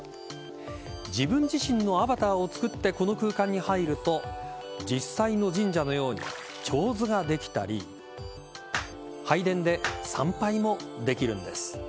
自分自身のアバターを作ってこの空間に入ると実際の神社のようにちょうずができたり拝殿で参拝もできるんです。